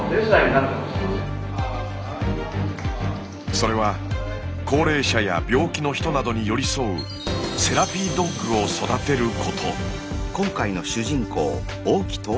それは高齢者や病気の人などに寄り添う「セラピードッグ」を育てること。